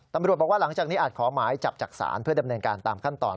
ตำรวจบอกว่าหลังจากนี้อาจขอหมายจับจากศาลเพื่อดำเนินการตามขั้นตอน